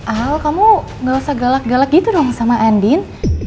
ahal kamu gak usah galak galak gitu dong sama andin